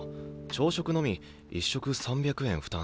朝食のみ１食３００円負担。